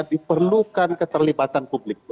diperlukan keterlibatan publik